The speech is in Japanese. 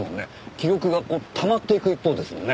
記憶がこうたまっていく一方ですもんね。